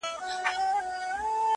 کښتۍ هم ورڅخه ولاړه پر خپل لوري -